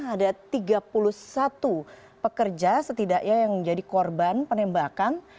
ada tiga puluh satu pekerja setidaknya yang menjadi korban penembakan